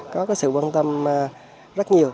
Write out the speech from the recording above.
có cái sự quan tâm rất nhiều